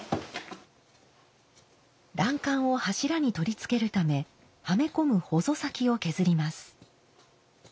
欄干を柱に取り付けるためはめ込む「ほぞ先」を削ります。